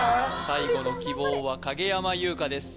最後の希望は影山優佳です